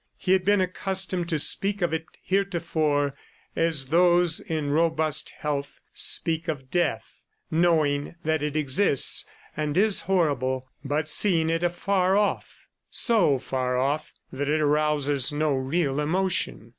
He had been accustomed to speak of it heretofore as those in robust health speak of death, knowing that it exists and is horrible, but seeing it afar off ... so far off that it arouses no real emotion.